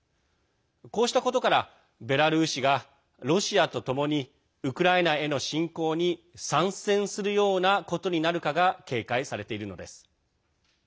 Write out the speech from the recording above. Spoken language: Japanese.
こうしたことからベラルーシがロシアとともにウクライナへの侵攻に参戦するようなことになるかが警戒されているのです。